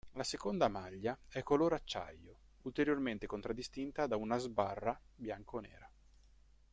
La seconda maglia è color acciaio, ulteriormente contraddistinta da una sbarra bianconera.